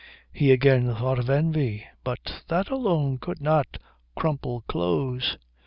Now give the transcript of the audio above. He again thought of envy, but that alone could not crumple clothes.